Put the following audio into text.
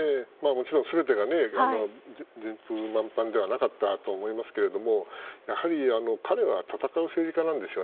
もちろん全てが順風満帆ではなかったと思いますけどやはり、彼は戦う政治家なんです。